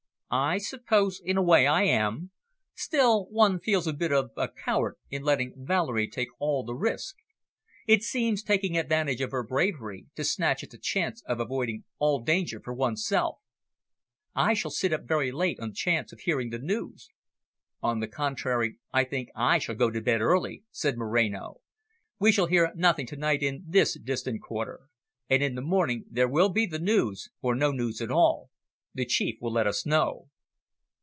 "I suppose, in a way, I am. Still, one feels a bit of a coward in letting Valerie take all the risk. It seems taking advantage of her bravery, to snatch at the chance of avoiding all danger for oneself." "I shall sit up very late, on the chance of hearing the news." "On the contrary, I think I shall go to bed early," said Moreno. "We shall hear nothing to night in this distant quarter. And in the morning there will be the news, or no news at all. The Chief will let us know."